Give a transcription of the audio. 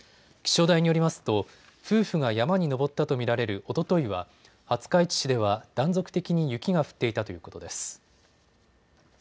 気象台によりますと夫婦が山に登ったと見られるおとといは廿日市市では断続的に雪が降っていたということです。